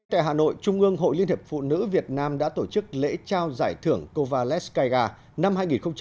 tại hà nội trung ương hội liên hiệp phụ nữ việt nam đã tổ chức lễ trao giải thưởng covalescaia năm hai nghìn một mươi chín